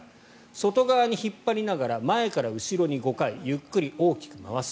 外側に引っ張りながら前から後ろに５回ゆっくり大きく回す。